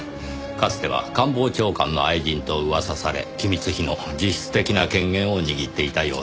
かつては官房長官の愛人と噂され機密費の実質的な権限を握っていたようです。